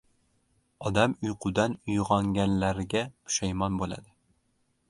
Odam uyqudan uyg‘onganlariga pushaymon bo‘ladi!